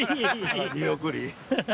見送り。